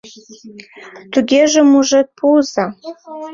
— Тугеже мужед пуыза.